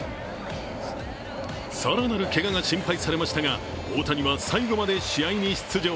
更なるけがが心配されましたが大谷は最後まで試合に出場。